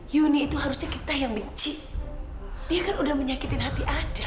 yuni itu harusnya kita yang benci dia kan udah menyakitin hati aja